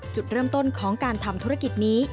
จุดเริ่มต้นของการทำธุรกิจนี้